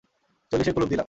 চল্লিশেই কুলুপ দিলাম।